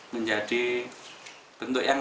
menjadi bentuk yang